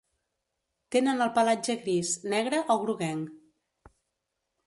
Tenen el pelatge gris, negre o groguenc.